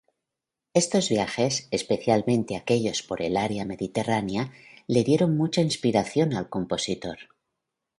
Estos viajes, especialmente aquellos por el área mediterránea, le dieron mucha inspiración al compositor.